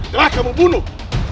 telah kamu bunuh